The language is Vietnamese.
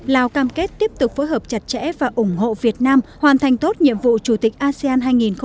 lào cam kết tiếp tục phối hợp chặt chẽ và ủng hộ việt nam hoàn thành tốt nhiệm vụ chủ tịch asean hai nghìn hai mươi